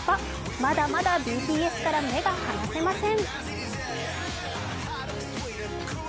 まだまだＢＴＳから目が離せません。